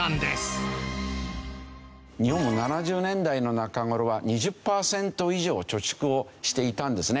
日本も７０年代の中頃は２０パーセント以上貯蓄をしていたんですね。